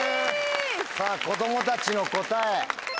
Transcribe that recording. さぁ子供たちの答え。